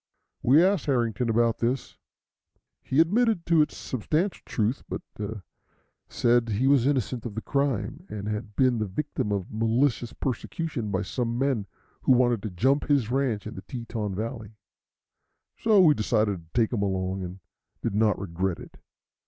We asked Harrington about this. He admitted its substantial truth, but said he was innocent of the crime, and had been the victim of malicious persecution by some men who wanted to "jump" his ranch in the Teton valley; so we decided to take him along, and did not regret it.